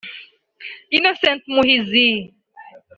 Innocent Muhizi